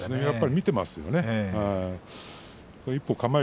やっぱり見ていますよね北勝